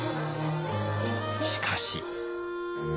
しかし。